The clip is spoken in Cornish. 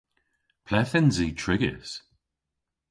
Ple'th yns i trigys?